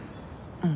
うん。